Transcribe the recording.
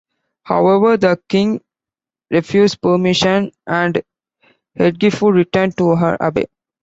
However, the king refused permission and Eadgifu returned to her abbey.